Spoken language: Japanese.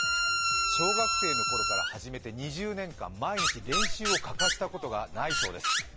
小学生のころから始めて２０年間、毎日、練習を欠かしたことがないそうです。